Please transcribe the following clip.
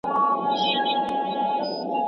په لرغوني سیستان واوړه